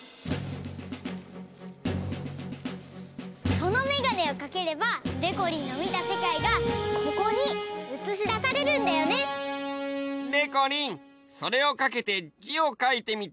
そのメガネをかければでこりんのみたせかいがここにうつしだされるんだよね。でこりんそれをかけてじをかいてみて。